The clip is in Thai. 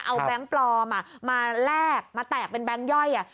เอาแบงค์ปลอมมาแลกมาแตกเป็นแบงค์ย่อย